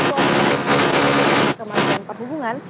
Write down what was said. atau kemarin perhubungan